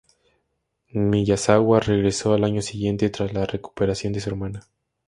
Miyazawa regresó al año siguiente tras la recuperación de su hermana.